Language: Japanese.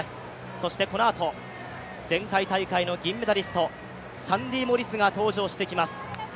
そしてこのあと前回大会の銀メダリスト、サンディ・モリスが登場してきます